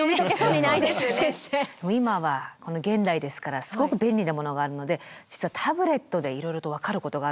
今はこの現代ですからすごく便利なものがあるので実はタブレットでいろいろと分かることがあるんです。